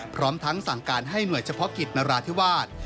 พร้อมทั้งสั่งการให้หน่วยเฉพาะกิจนราธิวาส